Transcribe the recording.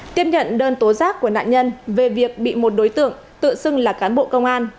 tiếp nhận đơn tố giác của nạn nhân về việc bị một đối tượng tự xưng là cán bộ công an